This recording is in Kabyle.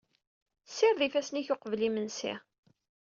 Sired ifassen-ik uqbel imensi.